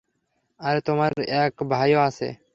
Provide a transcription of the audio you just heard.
আরে তোমার এক ভাইও আছে।